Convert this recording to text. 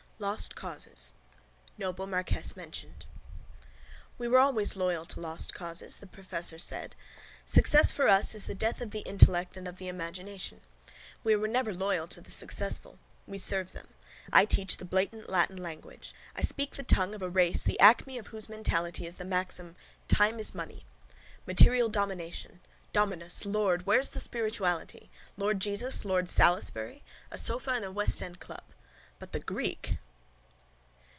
LOST CAUSES NOBLE MARQUESS MENTIONED —We were always loyal to lost causes, the professor said. Success for us is the death of the intellect and of the imagination. We were never loyal to the successful. We serve them. I teach the blatant Latin language. I speak the tongue of a race the acme of whose mentality is the maxim: time is money. Material domination. Dominus! Lord! Where is the spirituality? Lord Jesus? Lord Salisbury? A sofa in a westend club. But the Greek!